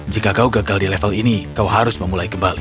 jika kau gagal di level ini kau harus memulai kembali